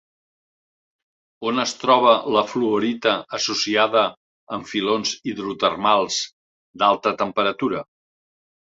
On es troba la fluorita associada en filons hidrotermals d'alta temperatura?